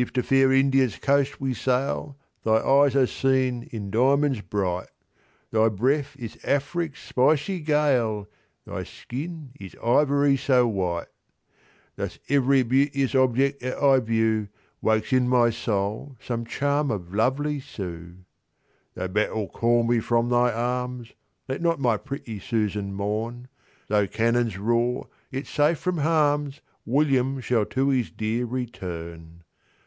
'If to fair India's coast we sail, Thy eyes are seen in diamonds bright, Thy breath is Afric's spicy gale, Thy skin is ivory so white. Thus every beauteous object that I viewWakes in my soul some charm of lovely Sue.'Though battle call me from thy armsLet not my pretty Susan mourn; Though cannons roar, yet safe from harmsWilliam shall to his Dear return.